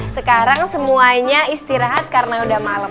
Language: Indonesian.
sekarang semuanya istirahat karena udah malam